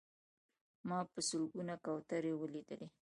ما په سلګونه کوترې ولیدلې.